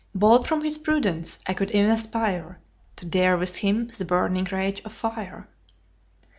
Bold from his prudence, I could ev'n aspire To dare with him the burning rage of fire.